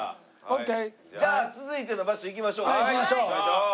じゃあ続いての場所行きましょうか？